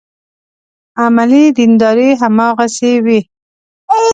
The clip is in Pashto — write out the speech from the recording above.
عملي دینداري هماغسې وي.